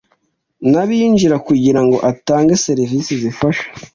n abinjira kugirango atange serivise zifasha